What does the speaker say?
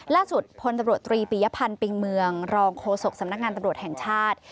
พลตำรวจตรีปียพันธ์ปิงเมืองรองโฆษกสำนักงานตำรวจแห่งชาติ